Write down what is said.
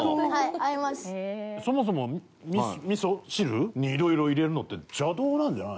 そもそも味噌汁にいろいろ入れるのって邪道なんじゃないの？